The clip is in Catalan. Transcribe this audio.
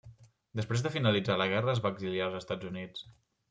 Després de finalitzar la guerra es va exiliar als Estats Units.